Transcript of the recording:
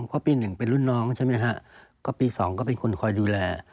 เพราะปีหนึ่งเป็นรุ่นน้องใช่ไหมฮะก็ปี๒ก็เป็นคนคอยดูแล